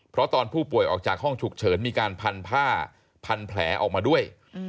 เพราะตอนผู้ป่วยออกจากห้องฉุกเฉินมีการพันผ้าพันแผลออกมาด้วย